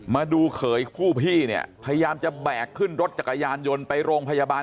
มาดูเขยผู้พี่เนี่ยพยายามจะแบกขึ้นรถจักรยานยนต์ไปโรงพยาบาล